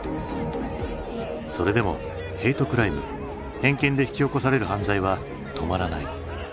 それでもヘイトクライム偏見で引き起こされる犯罪は止まらない。